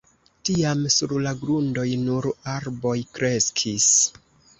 Tiam sur la grundoj nur arboj kreskis.